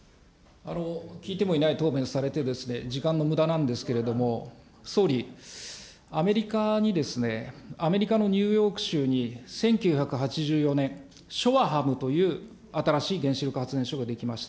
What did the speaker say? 聞いてもいない答弁されて、時間のむだなんですけれども、総理、アメリカにですね、アメリカのニューヨーク州に、１９８４年、ショワハムという新しい原子力発電所が出来ました。